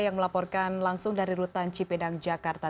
yang melaporkan langsung dari rutan cipinang jakarta